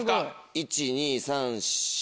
１・２・３・４。